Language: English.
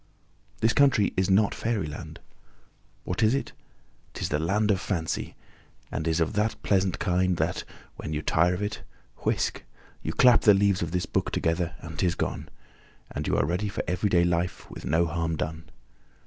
This country is not Fairyland. What is it? 'Tis the land of Fancy, and is of that pleasant kind that, when you tire of it whisk! you clap the leaves of this book together and 'tis gone, and you are ready for everyday life, with no harm done.